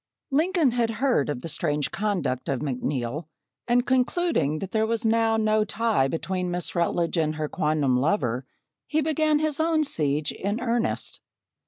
Lincoln had heard of the strange conduct of McNeil and concluding that there was now no tie between Miss Rutledge and her quondam lover, he began his own siege in earnest.